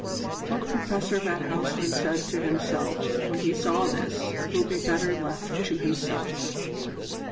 What Professor van Huysman said to himself when he saw this will be better left to himself.